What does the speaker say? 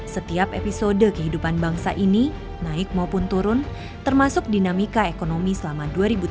setiap episode kehidupan bangsa ini naik maupun turun termasuk dinamika ekonomi selama dua ribu tujuh belas